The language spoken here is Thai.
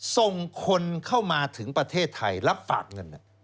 ส่งคนเข้ามาถึงประเทศไทยรับฝากเงิน